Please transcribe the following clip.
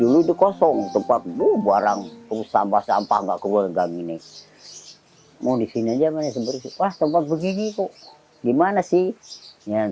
lama lama sampai terus saya berjalan lama lama ya